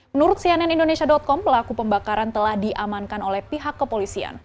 menurut cnn indonesia com pelaku pembakaran telah diamankan oleh pihak kepolisian